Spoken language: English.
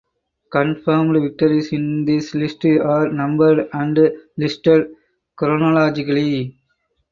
Confirmed victories in this list are numbered and listed chronologically.